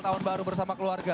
tahun baru bersama keluarga